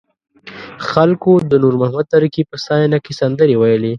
خلکو د نور محمد تره کي په ستاینه کې سندرې ویلې.